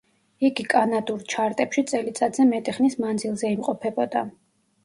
იგი კანადურ ჩარტებში წელიწადზე მეტი ხნის მანძილზე იმყოფებოდა.